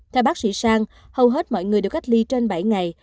theo bác sĩ sang hầu hết mọi người đều cách ly trên bảy ngày